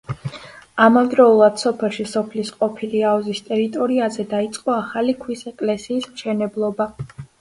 ამავდროულად სოფელში სოფლის ყოფილი აუზის ტერიტორიაზე დაიწყო ახალი ქვის ეკლესიის მშენებლობა.